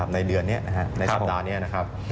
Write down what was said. ในเดือนนี้ในสัปดาห์นี้นะครับ